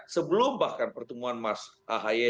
sebelum bahkan pertemuan mas ahaye